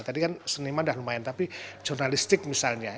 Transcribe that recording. tadi kan seniman udah lumayan tapi jurnalistik misalnya